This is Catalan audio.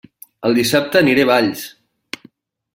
El dissabte aniré a Valls!